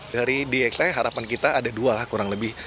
dari dxi harapan kita ada dua lah kurang lebih